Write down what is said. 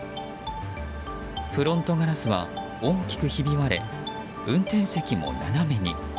フロントガラスは大きくひび割れ運転席も斜めに。